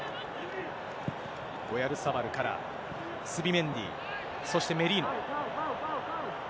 オヤルサバルから、スビメンディ、そしてメリノ。